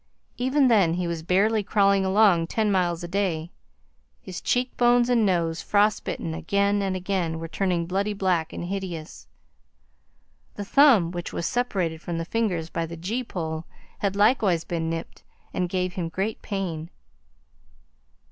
Even then he was barely crawling along ten miles a day. His cheek bones and nose, frost bitten again and again, were turned bloody black and hideous. The thumb, which was separated from the fingers by the gee pole, had likewise been nipped and gave him great pain.